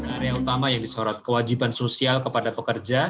area utama yang disorot kewajiban sosial kepada pekerja